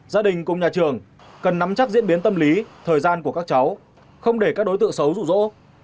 gia đình cùng nhà trường cần nắm chắc diễn biến tâm lý thời gian của các cháu không để các đối tượng xấu rụ rỗ